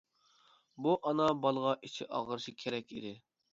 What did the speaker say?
بۇ ئانا بالىغا ئىچى ئاغرىشى كېرەك ئىدى.